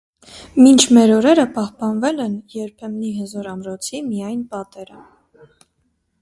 Մինչ մեր օրերը պահպանվել են, երբեմնի հզոր ամրոցի, միայն պատերը։